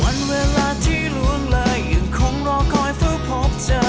วันเวลาที่ล่วงเลยยังคงรอคอยเฝ้าพบเจอ